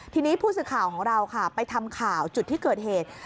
ทีนี้ผู้สื่อข่าวของเราค่ะไปทำข่าวจุดที่เกิดเหตุ